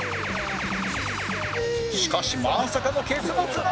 しかしまさかの結末が！